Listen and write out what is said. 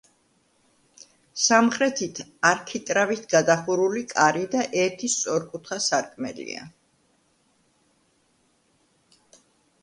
სამხრეთით არქიტრავით გადახურული კარი და ერთი სწორკუთხა სარკმელია.